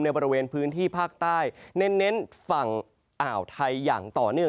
บริเวณพื้นที่ภาคใต้เน้นฝั่งอ่าวไทยอย่างต่อเนื่อง